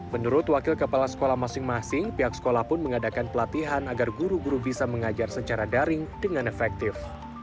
menurut wakil kepala sekolah masing masing pihak sekolah pun mengadakan pelatihan agar guru guru bisa mengajar secara daring dengan efektif